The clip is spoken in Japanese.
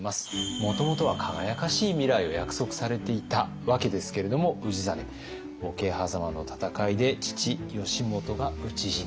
もともとは輝かしい未来を約束されていたわけですけれども氏真桶狭間の戦いで父義元が討ち死に。